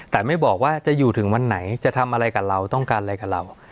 แต่ไม่บอกว่าจะอยู่ถึงวันไหนจะทำอะไรกับเราต้องการอะไรกับเรา